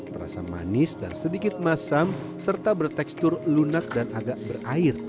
terasa manis dan sedikit masam serta bertekstur lunak dan agak berair